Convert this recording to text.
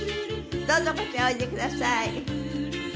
どうぞこちらへおいでください。